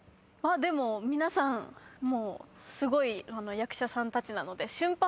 でも皆さんもうすごい役者さんたちなので。